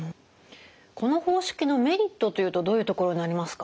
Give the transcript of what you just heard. この方式のメリットというとどういうところになりますか？